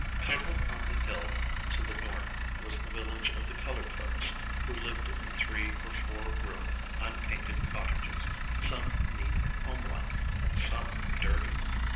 Cuddled on the hill to the north was the village of the colored folks, who lived in three or four room unpainted cottages, some neat and homelike, and some dirty.